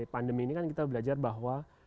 pandemi ini kan kita belajar bahwa